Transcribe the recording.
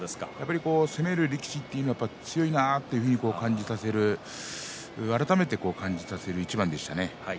攻める力士というのは強いなと改めて感じさせる一番でした。